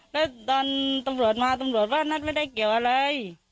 แล้วตอนตำรวจมาตำรวจว่านัทไม่ได้เกี่ยวอะไร